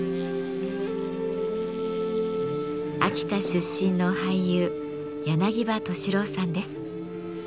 秋田出身の俳優柳葉敏郎さんです。